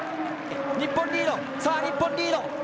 日本リードさあ、日本リード。